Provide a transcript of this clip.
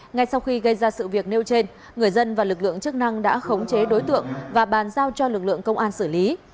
ngay sau khi gây ra sự việc nêu trên người dân và lực lượng chức năng đã khống chế đối tượng và bàn giao cho lực lượng công an xử lý